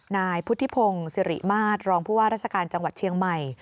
นายพุทธิพงศ์สิริมาตรรองผู้ว่าราชการจังหวัดเชียงใหม่